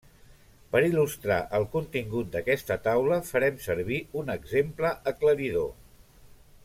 Per il·lustrar el contingut d'aquesta taula farem servir un exemple aclaridor.